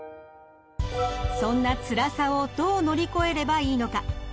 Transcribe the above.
そんなつらさをどう乗り越えればいいのか？